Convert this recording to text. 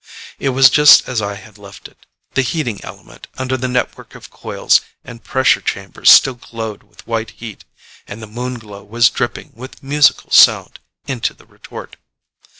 It was just as I had left it. The heating element under the network of coils and pressure chambers still glowed with white heat, and the Moon Glow was dripping with musical sound into the retort.